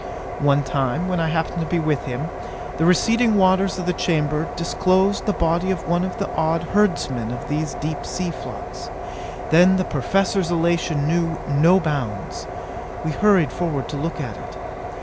One time, when I happened to be with him, the receding waters of the chamber disclosed the body of one of the odd herdsmen of these deep sea flocks. Then the Professor's elation knew no bounds. We hurried forward to look at it.